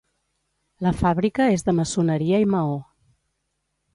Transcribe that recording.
La fàbrica és de maçoneria i maó.